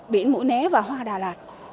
biển mũ né và hoa đà lạt